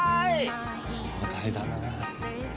広大だな。